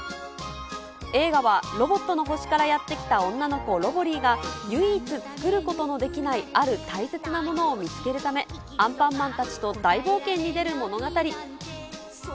映画は、ロボットの星からやって来たロボリィが唯一作ることのできないある大切なものを見つけるため、アンパンマンたちと大冒険に出る物語。